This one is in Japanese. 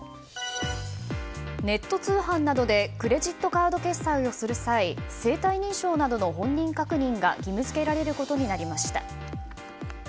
ネット通販などでクレジットカード決済をする際生体認証などの本人確認が義務付けられることになりました。